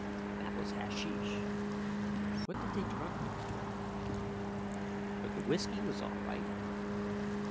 That was hasheesh. What did they drug me for? But the whisky was all right.